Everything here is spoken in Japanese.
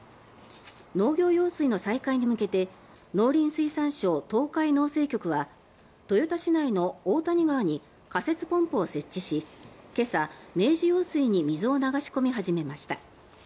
農業用水の再開に向けて農林水産省東海農政局は豊田市内の大谷川に仮設ポンプを設置し今朝、明治用水に水を流し込み始めました。